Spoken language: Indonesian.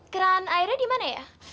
keran airnya dimana ya